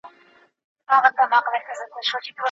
پښتو متل دی: چې څه کرې هغه به رېبې